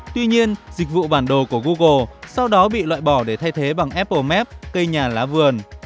tuy nhiên dịch vụ bản đồ của google sau đó bị loại bỏ để thay thế bằng apple map cây nhà lá vườn